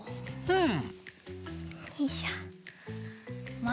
うん！